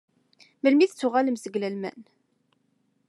Melmi i d-tuɣalem seg Lalman?